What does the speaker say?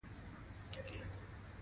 د بښنې خصلت خپل کړئ.